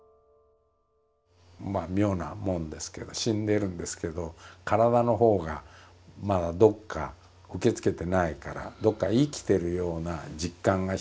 まあ妙なもんですけど死んでるんですけど体のほうがまだどっか受け付けてないからどっか生きているような実感がしているわけですね。